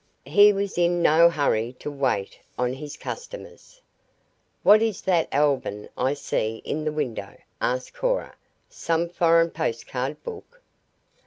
He was in no hurry to wait on his customers. "What is that album I see in the window?" asked Cora. "Some foreign postcard book?"